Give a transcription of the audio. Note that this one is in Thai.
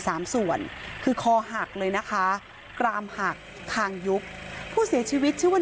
สามส่วนคือคอหักเลยนะคะกรามหักคางยุบผู้เสียชีวิตชื่อว่า